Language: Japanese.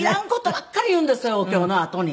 お経のあとに。